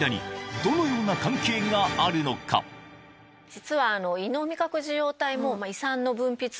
実は。